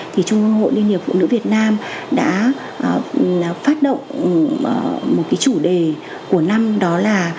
thì trung ương hội liên hiệp phụ nữ việt nam đã phát động một cái chủ đề của năm đó là